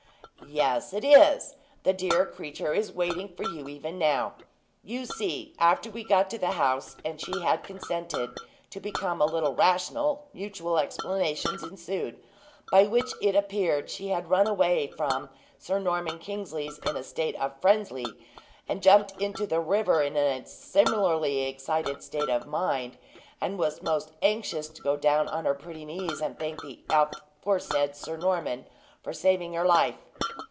"Yes, it is; the dear creature is waiting for you even now. You see, after we got to the house, and she had consented to become a little rational, mutual explanations ensued, by which it appeared she had ran away from Sir Norman Kingsley's in a state of frenzy, had jumped into the river in a similarly excited state of mind, and was most anxious to go down on her pretty knees and thank the aforesaid Sir Norman for saving her life.